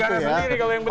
kalau yang benar kamu